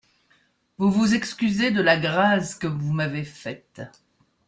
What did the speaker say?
Vous vous excusez de la grâce que vous m'avez faite.